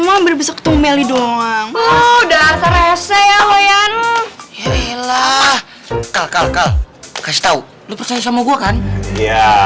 sampai jumpa di video selanjutnya